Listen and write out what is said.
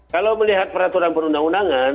kalau melihat peraturan perundang undangan